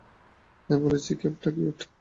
আমি বলেছি কেপটা কিউট।